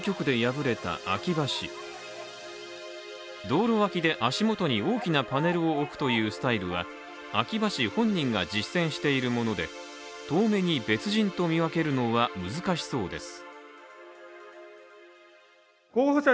道路脇で足元に大きなパネルを置くというスタイルは秋葉氏本人が実践しているもので遠目に別人と見分けるのは難しそうです。